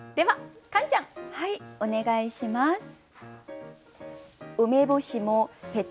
はいお願いします。